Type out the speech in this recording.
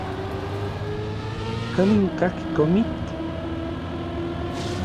¿Kanin kajki komitl?